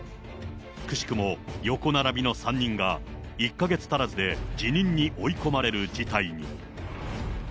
くしくも横並びの３人が１か月足らずで辞任に追い込まれる事態に。